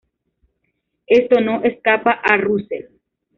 Esto no escapa a Russell.